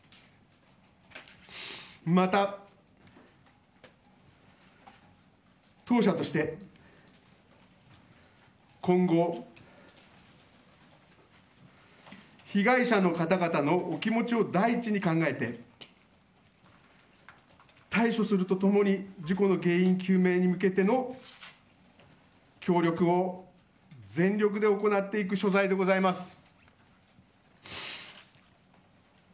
また、当社として今後被害者の方々のお気持ちを第一に考えて対処すると共に事故の原因究明に向けての協力を全力で行っていく所存でございます。